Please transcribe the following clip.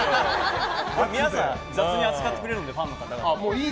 皆さん、雑に扱ってくれるのでファンの方々。